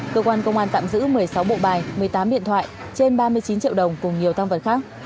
cơ quan công an tạm giữ một mươi sáu bộ bài một mươi tám điện thoại trên ba mươi chín triệu đồng cùng nhiều tăng vật khác